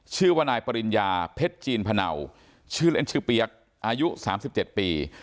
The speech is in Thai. ชื่อว่านายปริญญาเพชรจีนพะเนาชื่อเล่นชื่อเปี๊ยกอายุ๓๗ปี